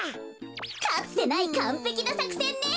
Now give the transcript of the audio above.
かつてないかんぺきなさくせんね。